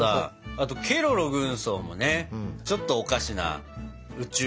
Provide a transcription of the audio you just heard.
あとケロロ軍曹もねちょっとおかしな宇宙人。